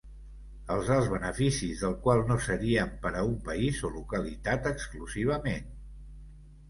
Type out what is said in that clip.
Els alts beneficis del qual no serien per a un país o localitat exclusivament.